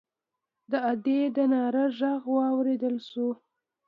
د ادي د ناره غږ واورېدل شو.